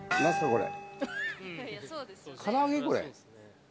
これ。